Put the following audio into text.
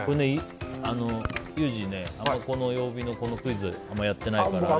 ユージ、この曜日のこのクイズあまりやってないよね。